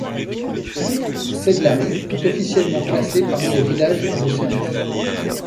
Sedlari est officiellement classé parmi les villages de Serbie.